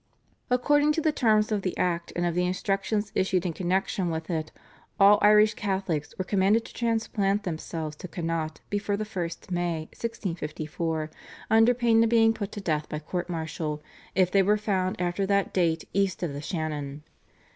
According to the terms of the Act and of the Instructions issued in connexion with it all Irish Catholics were commanded to transplant themselves to Connaught before the 1st May 1654 under pain of being put to death by court martial if they were found after that date east of the Shannon.